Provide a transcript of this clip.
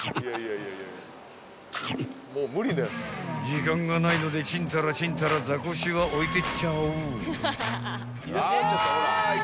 ［時間がないのでちんたらちんたらザコシは置いてっちゃおう］